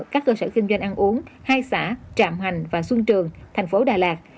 các cơ sở kinh doanh ăn uống hai xã trạm hoành và xuân trường thành phố đà lạt